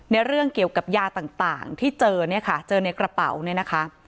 เรื่องเกี่ยวกับยาต่างที่เจอเนี่ยค่ะเจอในกระเป๋าเนี่ยนะคะ